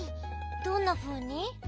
どんなふうに？